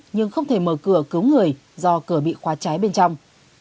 nhưng không thể mở cửa cứu người do cửa bị khóa cháy bên trong